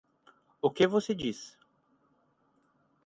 O que você diz